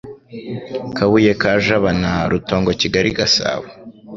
Kabuye ka Jabana Rutongo Kigali Gasabo